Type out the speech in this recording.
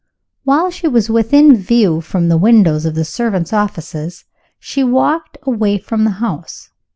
While she was within view from the windows of the servants' offices she walked away from the house.